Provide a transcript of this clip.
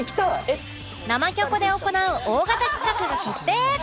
「生キョコ」で行う大型企画が決定！